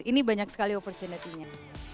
ini banyak sekali opportunity nya